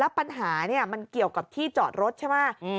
ปัญหามันเกี่ยวกับที่จอดรถใช่ไหม